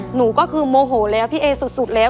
หนูก็คือโมโหแล้วพี่เอสุดแล้ว